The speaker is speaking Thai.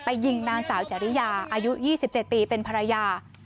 ยิงนางสาวจริยาอายุ๒๗ปีเป็นภรรยา